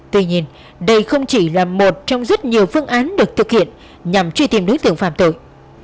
tuy nhiên đây không chỉ là một trong rất nhiều phương án được thực hiện nhằm truy tìm đối tượng phạm tội